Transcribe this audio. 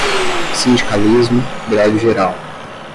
Sindicalismo, greve geral